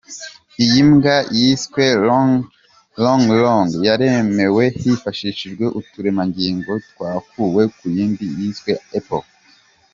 Iyi mbwa yiswe Longlong yaremwe hifashishijwe uturemangingo twakuwe ku yindi yiswe Apple.